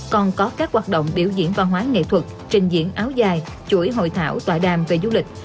còn có các hoạt động biểu diễn văn hóa nghệ thuật trình diễn áo dài chuỗi hội thảo tòa đàm về du lịch